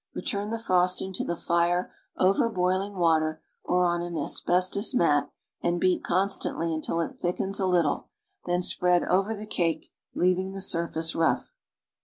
Return the frosting to the fire over boiling water or on an asbestos mat and Ix'at constantly until It thickens a little, then spread over the cake, leaving the surface rough.